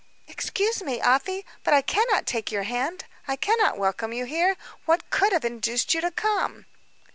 "Excuse me, Afy, but I cannot take your hand, I cannot welcome you here. What could have induced you to come?"